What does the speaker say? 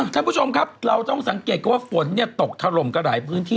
ท่านผู้ชมครับเราต้องสังเกตว่าฝนตกถล่มกันหลายพื้นที่